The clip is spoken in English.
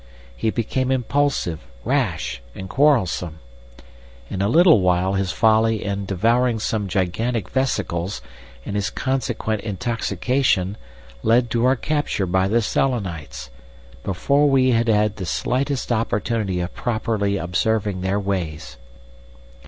He became impulsive, rash, and quarrelsome. In a little while his folly in devouring some gigantic vesicles and his consequent intoxication led to our capture by the Selenites—before we had had the slightest opportunity of properly observing their ways...."